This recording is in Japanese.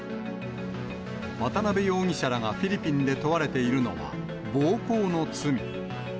渡辺容疑者らがフィリピンで問われているのは、暴行の罪。